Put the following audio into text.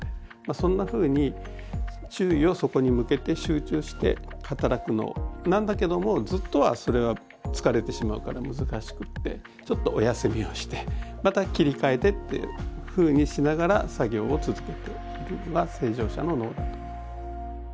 そんなふうに注意をそこに向けて集中して働くんだけどもずっとはそれは疲れてしまうから難しくてちょっとお休みをしてまた切り替えてっていうふうにしながら作業を続けているのは正常者の脳だと。